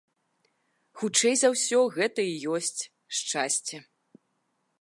Хутчэй за ўсё, гэта і ёсць шчасце.